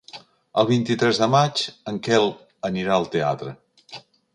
El vint-i-tres de maig en Quel anirà al teatre.